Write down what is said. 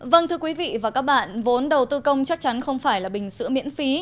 vâng thưa quý vị và các bạn vốn đầu tư công chắc chắn không phải là bình sữa miễn phí